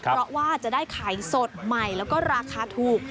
เพราะว่าจะได้ไข่สดใหม่แล้วก็ราคาถูก